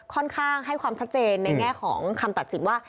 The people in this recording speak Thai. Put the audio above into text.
ค่อนข้างให้ความชัดเจนในแง่ของคำตัดสินว่า